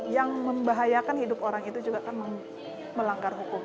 yang membahayakan hidup orang itu juga kan melanggar hukum